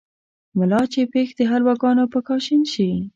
ملا چې پېښ دحلواګانو په کاشين شي